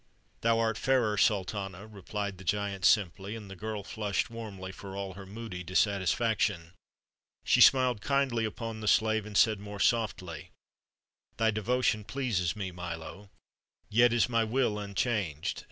"Thou art fairer, Sultana," replied the giant simply; and the girl flushed warmly for all her moody dissatisfaction. She smiled kindly upon the slave, and said more softly: "Thy devotion pleases me, Milo. Yet is my will unchanged.